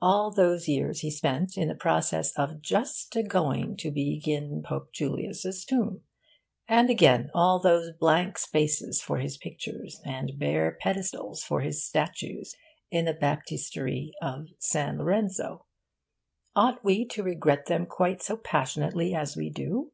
All those years he spent in the process of just a going to begin Pope Julius' tomb, and again, all those blank spaces for his pictures and bare pedestals for his statues in the Baptistery of San Lorenzo ought we to regret them quite so passionately as we do?